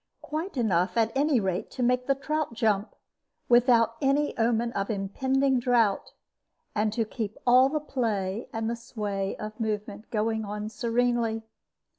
Quite enough, at any rate, to make the trout jump, without any omen of impending drought, and to keep all the play and the sway of movement going on serenely.